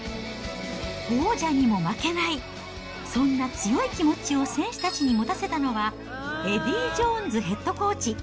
王者にも負けない、そんな強い気持ちを選手たちに持たせたのは、エディー・ジョーンズヘッドコーチ。